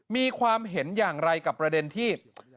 มีความเห็นอย่างไรกับประเด็นที่